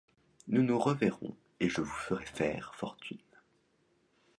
Nous nous reverrons, et je vous ferai faire fortune.